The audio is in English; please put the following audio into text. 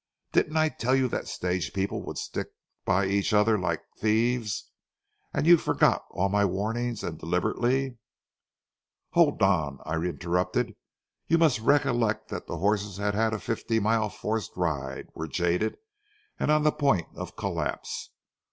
Didn't I tell you that stage people would stick by each other like thieves? And you forgot all my warnings and deliberately"— "Hold on," I interrupted. "You must recollect that the horses had had a fifty mile forced ride, were jaded, and on the point of collapse.